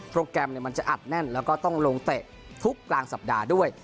แกรมมันจะอัดแน่นแล้วก็ต้องลงเตะทุกกลางสัปดาห์ด้วย